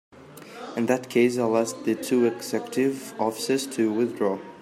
In that case I'll ask the two executive officers to withdraw.